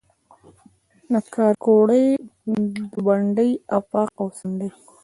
د کارکوړي، دوبندۍ آفاق او څنډي